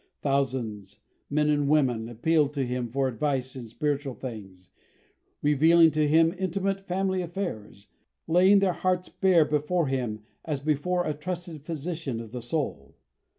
Thousands, men and women, appealed to him for advice in spiritual things, revealing to him intimate family affairs, laying their hearts bare before him as before a trusted physician of the soul.